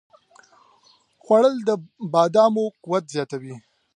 خوړل د بادامو قوت زیاتوي